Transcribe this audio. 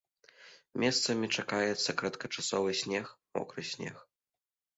Месцамі чакаецца кароткачасовы снег, мокры снег.